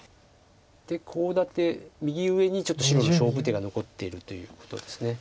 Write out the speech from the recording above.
コウ立て右上にちょっと白の勝負手が残ってるということです。